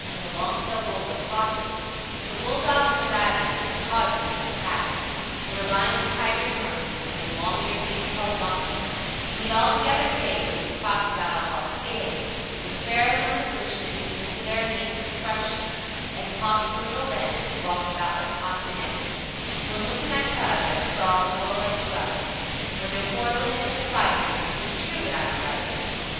And the long tale Bull wot tosses the Bulldog and the Rabbit, acaus it is his habbit; Where Lions, Tigurs, monkees, And them long ear'd things call'd Donkeys, Meat all together daylee With Crockedyles all Skaley, Where sparros on the bushis Sings to there mates, the thrushis, an Hawks and Littel Rens Wawks about like Cocks and Ens, One looking at the tuther for all the World like a Bruther. Where no quarlin is or Phytin, its tru wot ime aritin.